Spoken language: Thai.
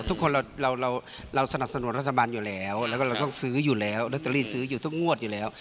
ทุกคนเราสนับสนุนราชบัลอยู่แล้วก็ซื้ออยู่แล้วนัตรีซื้ออยู่ต้องงวดอยู่แล้ว